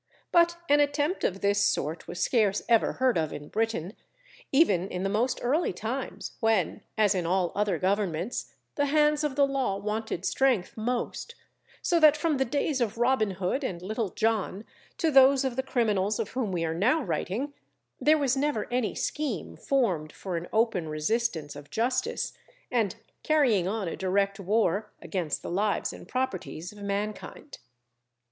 But an attempt of this sort was scarce ever heard of in Britain, even in the most early times, when, as in all other governments the hands of the Law wanted strength most; so that from the days of Robin Hood and Little John to those of the criminals of whom we are now writing, there was never any scheme formed for an open resistance of Justice, and carrying on a direct war against the lives and properties of mankind.